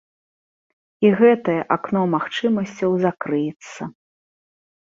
І гэтае акно магчымасцяў закрыецца.